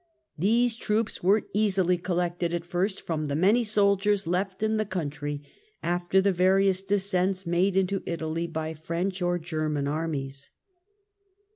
These troops were easily collected at first, from the many soldiers left in the country after the various descents made into Italy by French or German armies.